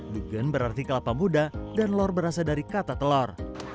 dugen berarti kelapa muda dan lor berasal dari kata telur